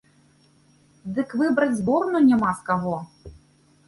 Дык выбраць зборную няма з каго.